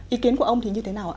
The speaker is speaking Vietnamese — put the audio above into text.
ý kiến của ông thì như thế nào ạ